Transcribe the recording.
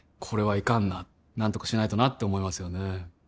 これはいかんな何とかしないとなって思いますよね